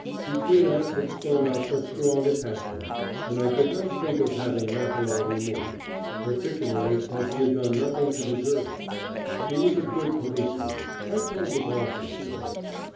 Between us had sprung up a strong attachment, and I could not think of having Mackellar removed, particularly as he had done nothing to deserve it. He was a good policeman. I told the bosses so.